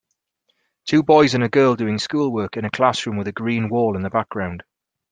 Two boys and a girl doing schoolwork in a classroom with a green wall in the background.